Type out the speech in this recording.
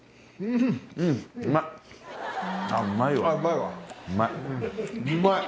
うまい。